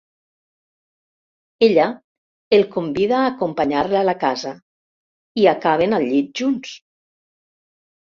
Ella el convida a acompanyar-la a la casa i acaben al llit junts.